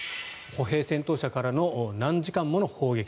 歩兵戦闘車からの何時間もの砲撃。